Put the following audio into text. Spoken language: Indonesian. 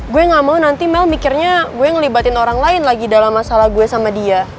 gue gak mau nanti mel mikirnya gue ngelibatin orang lain lagi dalam masalah gue sama dia